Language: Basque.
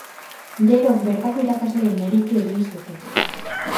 Gero, bertako irakasle emeritu egin zuten.